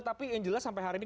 tapi yang jelas sampai hari ini